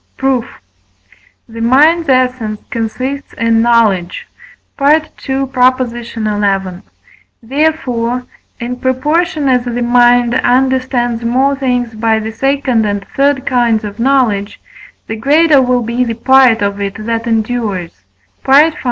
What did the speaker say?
Proof. The mind's essence consists in knowledge (II. xi.); therefore, in proportion as the mind understands more things by the second and third kinds of knowledge, the greater will be the part of it that endures (V.